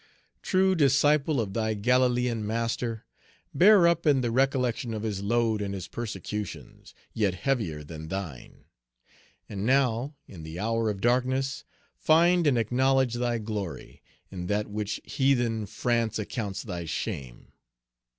True disciple of thy Galilean Master, bear up in the recollection of his load and his persecutions, yet heavier than thine. And now, in the hour of darkness, find and acknowledge thy glory, in that which heathen France accounts thy shame.